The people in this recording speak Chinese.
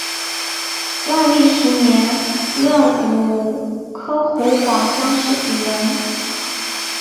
万历十年壬午科湖广乡试举人。